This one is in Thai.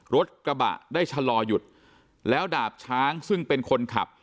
รถกระบะได้ชะลอหยุดแล้วดาบช้างซึ่งเป็นคนขับ